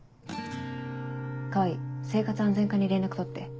川合生活安全課に連絡取って。